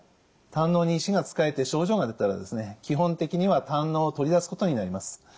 胆のうに石がつかえて症状が出たら基本的には胆のうを取り出すことになります。